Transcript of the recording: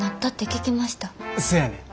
せやねん。